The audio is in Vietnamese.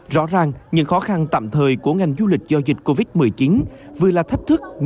rõ ràng những khó khăn tạm thời của ngành du lịch do dịch covid một mươi chín vừa là thách thức